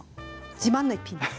自慢の一品です。